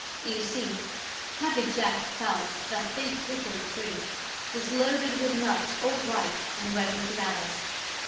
You see, Happy Jack had found that big hickory tree just loaded with nuts all ripe and ready to gather.